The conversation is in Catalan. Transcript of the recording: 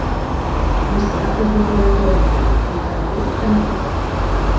Més tard es va mudar a Toronto, Ontario, Canadà.